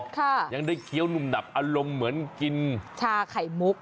ยังได้เคี้ยวหนุ่มหนับอารมณ์เหมือนกินชาไข่มุก